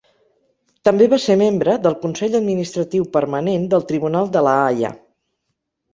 També va ser membre del Consell Administratiu Permanent del Tribunal de la Haia.